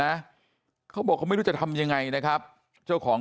มาแล้วนี่เห็นไหมเขาบอกไม่รู้จะทำยังไงนะครับเจ้าของ